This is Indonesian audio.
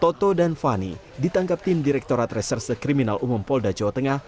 toto dan fani ditangkap tim direktorat reserse kriminal umum polda jawa tengah